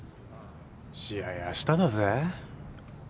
試合あしただぜ。